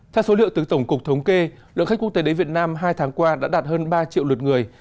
theo số liệu từ tổng cục thống kê lượng khách quốc tế đến việt nam hai tháng qua đã đạt hơn ba triệu lượt người